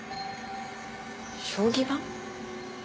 将棋盤？